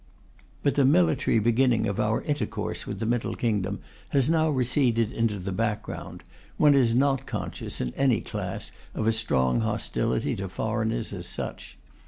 But the military beginning of our intercourse with the Middle Kingdom has now receded into the background; one is not conscious, in any class, of a strong hostility to foreigners as such.